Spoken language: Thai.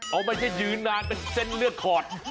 เอาไม่ใช่ยืนนานเป็นเส้นเลือดขอด